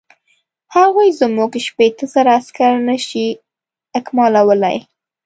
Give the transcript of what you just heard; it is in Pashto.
هغوی زموږ شپېته زره عسکر نه شي اکمالولای.